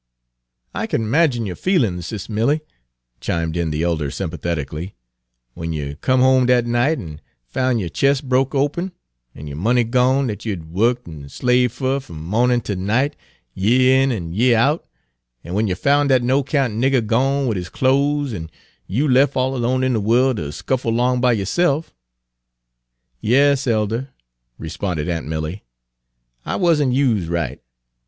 "I kin 'magine yo' feelin's Sis' Milly," chimed in the elder sympathetically, "w'en you come home dat night an' foun' yo' chist broke open, an' yo' money gone dat you had wukked an' slaved fuh f'm mawnin' 'tel night, year in an' year out, an' w'en you foun' dat no 'count nigger gone wid his clo's an' you lef' all alone in de worl' ter scuffle 'long by yo'self." "Yas, elder," responded aunt Milly, "I wa'n't used right.